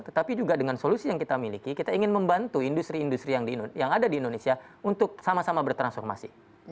tetapi juga dengan solusi yang kita miliki kita ingin membantu industri industri yang ada di indonesia untuk sama sama bertransformasi